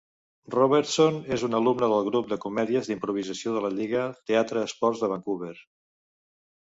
Robertson és un alumne del grup de comèdies d'improvisació de la Lliga TeatreSports de Vancouver.